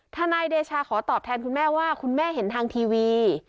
ทนายเดชาขอตอบแทนคุณแม่ว่าคุณแม่เห็นทางทีวี